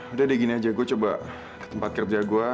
udah deh gini aja gue coba tempat kerja gue